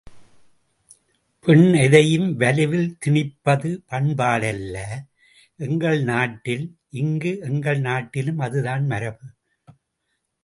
பெண் எதையும் வலுவில் திணிப்பது பண்பாடல்ல, எங்கள் நாட்டில்! இங்கு எங்கள் நாட்டிலும் அதுதான் மரபு!